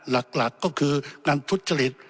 หลักก็คือการทุจริต